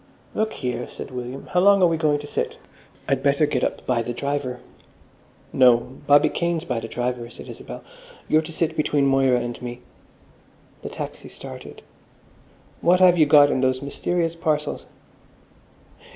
"Look here," said William, "how are we going to sit? I'd better get up by the driver." "No, Bobby Kane's by the driver," said Isabel. "You're to sit between Moira and me." The taxi started. "What have you got in those mysterious parcels?"